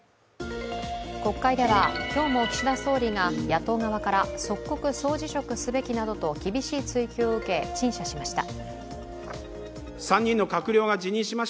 国会では今日も岸田総理が野党側から即刻総辞職すべきなどと厳しい追及を受け、陳謝しました。